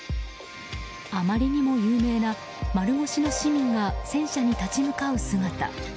あまりにも有名な丸腰の市民が戦車に立ち向かう姿。